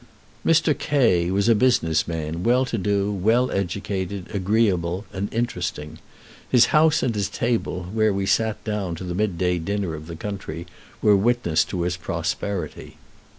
Mr. K was a business man, well to do, well educated, agreeable, and interesting; his house and his table, where we sat down to the mid day dinner of the country, were witness to his prosperity.